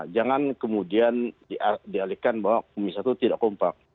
jangan kemudian dialihkan bahwa komisi satu tidak kompak